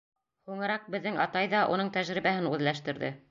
Һуңыраҡ беҙҙең атай ҙа уның тәжрибәһен үҙләштерҙе.